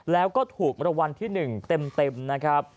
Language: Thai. แล้วก็ถูกมรวรรณที่๑เต็มนะครับ